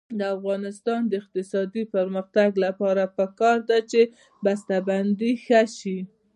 د افغانستان د اقتصادي پرمختګ لپاره پکار ده چې بسته بندي ښه شي.